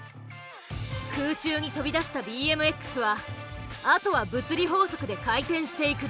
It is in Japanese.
空中に飛び出したＢＭＸはあとは物理法則で回転していくだけ。